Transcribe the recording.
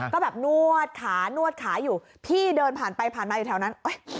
ก็แบบนวดขานวดขาอยู่พี่เดินผ่านไปผ่านมาอยู่แถวนั้น